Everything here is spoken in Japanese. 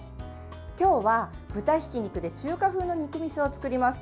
今日は豚ひき肉で中華風の肉みそを作ります。